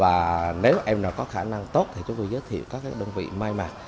và nếu em nào có khả năng tốt thì chúng tôi giới thiệu các đơn vị may mặt